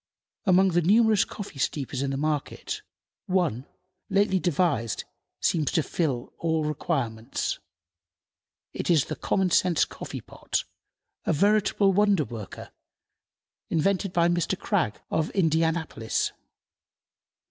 Among the numerous coffee steepers in the market, one, lately devised, seems to fill all requirements. It is the Common sense Coffee pot, a veritable wonder worker, invented by Mr. Krag, of Indianapolis.